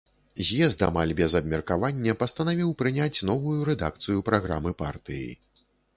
З'езд амаль без абмеркавання пастанавіў прыняць новую рэдакцыю праграмы партыі.